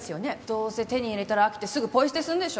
どうせ手に入れたら飽きてすぐポイ捨てするんでしょ？